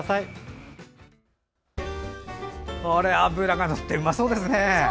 脂がのってうまそうですね。